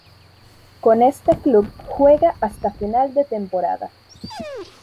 Con este club juega hasta final de temporada.